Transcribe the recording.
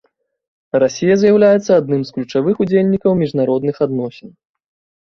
Расія з'яўляецца адным з ключавых удзельнікаў міжнародных адносін.